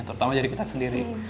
nah terutama jadi kita sendiri